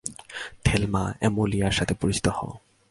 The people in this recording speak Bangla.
থেলমা, অ্যামেলিয়ার সাথে পরিচিত হও।